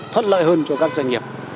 thuận lợi hơn cho các doanh nghiệp